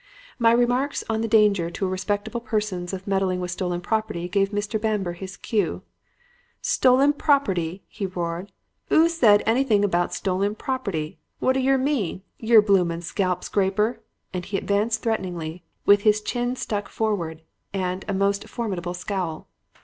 "My remarks on the danger to respectable persons of meddling with stolen property gave Mr. Bamber his cue. "'Stolen property,' he roared. ''Oo said anything about stolen property? What d'yer mean, yer bloomin' scalp scraper!' and he advanced threateningly with his chin stuck forward and a most formidable scowl.